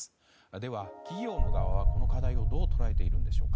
では、企業の側はこの課題をどう捉えているんでしょうか。